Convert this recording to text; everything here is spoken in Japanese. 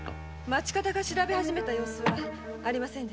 町方が調べ始めた様子はありません。